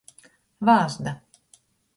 Vāzda.